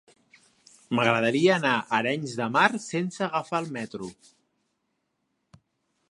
M'agradaria anar a Arenys de Mar sense agafar el metro.